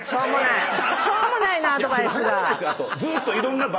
しょうもないなアドバイスが。